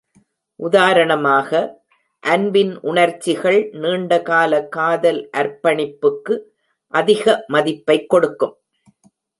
உதாரணமாக, அன்பின் உணர்ச்சிகள் நீண்ட கால காதல் அர்ப்பணிப்புக்கு அதிக மதிப்பைக் கொடுக்கும்.